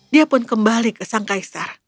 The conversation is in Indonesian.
dia pun kembali ke sang kaisar